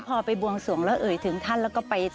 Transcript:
กลางแม่นก็คืออันที่นี่